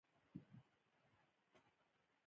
بې له باور ټولنه نهشي پاتې کېدی.